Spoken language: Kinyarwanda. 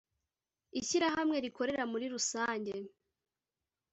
Ishyirahamwe rikorera muri rusange.